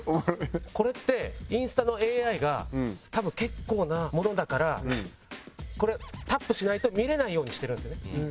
これってインスタのＡＩが多分結構なものだからこれタップしないと見れないようにしてるんですよね。